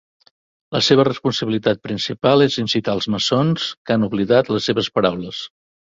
La seva responsabilitat principal és incitar els maçons que han oblidat les seves paraules.